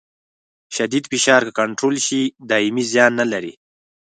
شدید فشار که کنټرول شي دایمي زیان نه لري.